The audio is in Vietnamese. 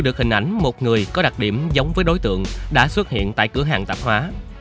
các đặc điểm giống với đối tượng đã xuất hiện tại cửa hàng tạp hóa